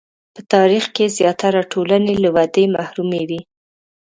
په تاریخ کې زیاتره ټولنې له ودې محرومې وې.